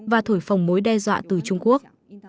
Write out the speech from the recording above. và thổi phòng mối đe dọa từ trung quốc